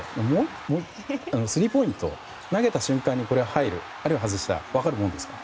スリーポイント投げた瞬間に、入るあるいは外した分かるものですか？